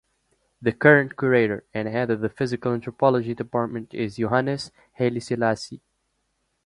The current Curator and Head of the Physical Anthropology Department is Yohannes Haile-Selassie.